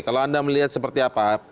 kalau anda melihat seperti apa